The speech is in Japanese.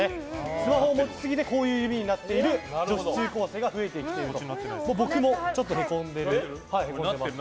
スマホを持ちすぎてこういう指になっている女子中高生が増えてきていると。